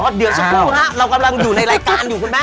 เดี๋ยวสักครู่นะเรากำลังอยู่ในรายการอยู่คุณแม่